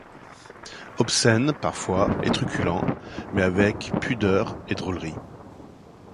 Obscène parfois et truculent, mais avec pudeur et drôlerie.